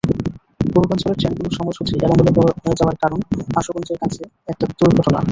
পূর্বাঞ্চলের ট্রেনগুলোর সময়সূচি এলোমেলো হয়ে যাওয়ার কারণ আশুগঞ্জের কাছে একটা দুর্ঘটনা।